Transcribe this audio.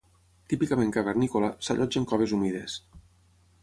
Típicament cavernícola, s'allotja en coves humides.